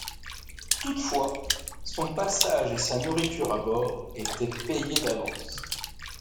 Toutefois, son passage et sa nourriture à bord étaient payés d’avance.